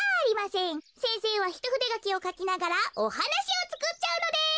せんせいはひとふでがきをかきながらおはなしをつくっちゃうのです。